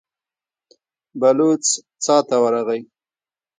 بلوڅ څا ته ورغی.